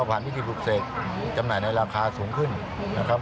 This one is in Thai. ผ่านวิธีปลูกเสกจำหน่ายในราคาสูงขึ้นนะครับ